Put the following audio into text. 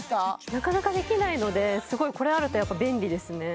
なかなかできないのでこれあるとやっぱ便利ですね